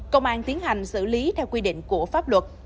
công an tiến hành xử lý theo quy định của pháp luật